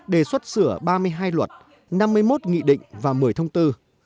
đề xuất sửa ba mươi hai luật năm mươi một nghị định và một mươi thông tư